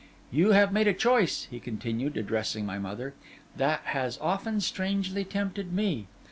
'You have made a choice,' he continued, addressing my mother, 'that has often strangely tempted me.